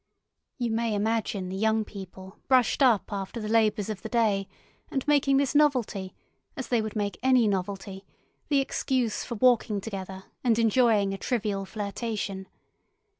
You may imagine the young people brushed up after the labours of the day, and making this novelty, as they would make any novelty, the excuse for walking together and enjoying a trivial flirtation.